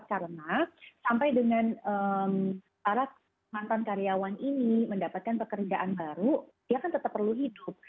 karena sampai dengan para mantan karyawan ini mendapatkan pekerjaan baru dia akan tetap perlu hidup